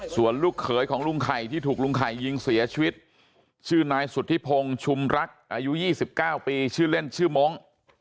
ส่วนลูกเขยของลุงไข่ที่ถูกลุงไข่ยิงเสียชีวิตชื่อนายสุธิพงศ์ชุมรักอายุ๒๙ปีชื่อเล่นชื่อมงค์